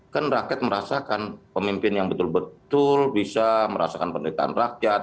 kan rakyat merasakan pemimpin yang betul betul bisa merasakan penderitaan rakyat